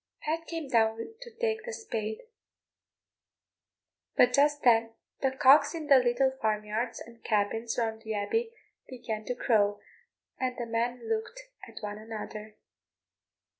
Pat came down to take the spade, but just then the cocks in the little farmyards and cabins round the abbey began to crow, and the men looked at one another.